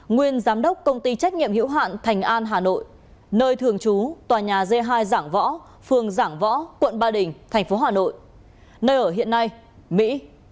nguyên giám đốc công ty trách nhiệm hữu hạn thành an hà nội nơi thường trú tòa nhà g hai giảng võ phường giảng võ quận ba đình thành phố hà nội nơi ở hiện nay mỹ